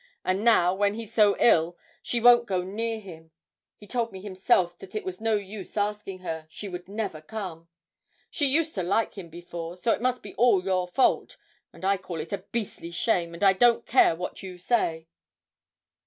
And now, when he's so ill, she won't go near him he told me himself that it was no use asking her, she would never come! She used to like him before, so it must be all your fault, and I call it a beastly shame, and I don't care what you say!'